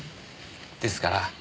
ですから